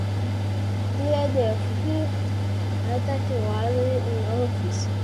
Died of heart attack while in office.